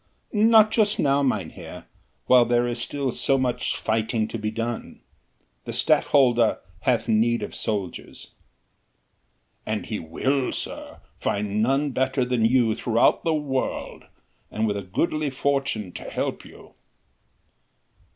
"Not just now, mynheer, while there is so much fighting to be done. The Stadtholder hath need of soldiers...." "And he will, sir, find none better than you throughout the world. And with a goodly fortune to help you...."